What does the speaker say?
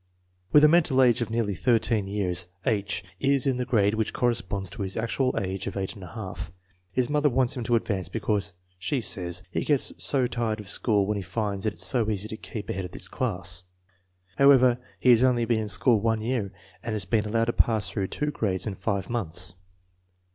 With a mental age of nearly 13 years, H. is in the grade which corresponds to his actual age of 8j. His mother wants him advanced because, she says, " He gets so tired of school when he finds it so easy to keep ahead of his class." However, he has only been in school one year and has been allowed to pass through two grades in five months.